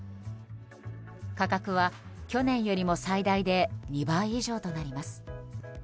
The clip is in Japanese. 価格は去年よりも最大で２倍以上となります。